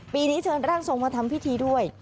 ปีนี้เชิญร่างทรงมาทำพิธีด้วย